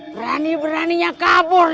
berani berani ya kabur dari saya